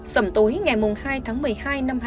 sầm tối ngày hai tháng một mươi hai năm hai nghìn sáu